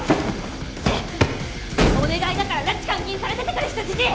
お願いだから拉致・監禁されててくれ人質！